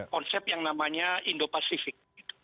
konsep yang namanya indo pasifik